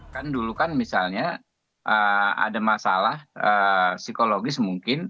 kan dulu kan misalnya ada masalah psikologis mungkin